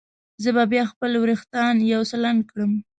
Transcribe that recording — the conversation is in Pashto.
زه به بیا خپل وریښتان یو څه لنډ کړم.